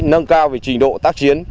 nâng cao về trình độ tác chiến